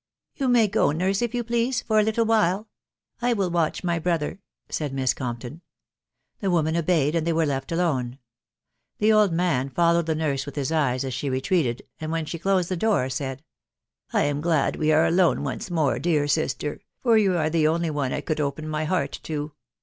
""You may go, nurse, if you please, for >a tittle while; I will watch by my brother," said Miss Compton. The woman obeyed, and they were 'left alone. The old man fol lowed the nurse with his eyes as she ^retreated, end when: she closed the door, said,— " I am glad we . are .alone cnee more, dear ^sister, tot yon are the only one J could open my heart to.